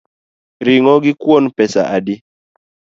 Ring’o gi kuon pesa adi?